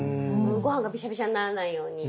ごはんがびしゃびしゃにならないように。